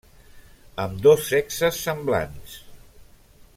Ambdós sexes semblants.